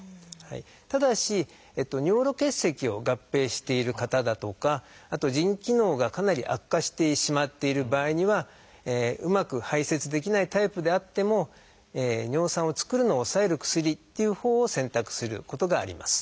ただし尿路結石を合併している方だとかあと腎機能がかなり悪化してしまっている場合にはうまく排せつできないタイプであっても尿酸を作るのを抑える薬っていうほうを選択することがあります。